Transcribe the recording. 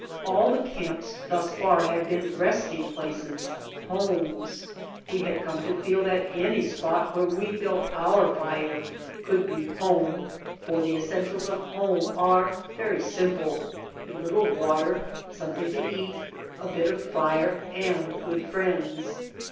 All the camps thus far had been resting places, homes. We had come to feel that any spot where we built our fire could be home, for the essentials of home are very sim ple; a little water, something to eat, a bit of fire, and good friends.